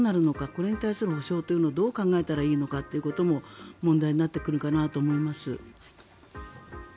これに対する保障をどう考えたらいいのかというのも問題になってくるかなと思います。